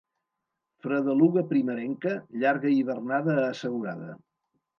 Fredeluga primerenca, llarga hivernada assegurada.